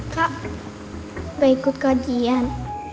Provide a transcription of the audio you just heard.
kak baik kajian